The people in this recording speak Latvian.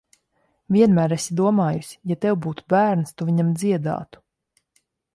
Vienmēr esi domājusi, ja tev būtu bērns, tu viņam dziedātu.